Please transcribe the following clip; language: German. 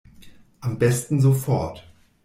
Am besten sofort.